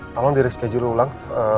tolong diri schedule ulang